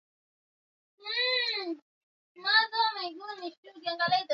Kushin ni Ndege weupe kidogo na weusi ambao hula katikati ya ngombe kutoweka